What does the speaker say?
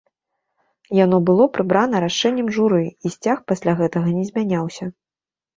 Яно было прыбрана рашэннем журы, і сцяг пасля гэтага не змяняўся.